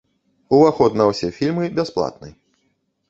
Уваход на ўсе фільмы бясплатны.